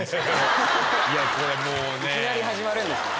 いきなり始まるんですね。